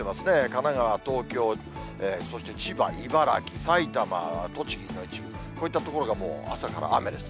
神奈川、東京、そして千葉、茨城、埼玉、栃木の一部、こういった所がもう、朝から雨です。